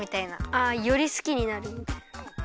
あよりすきになるみたいな。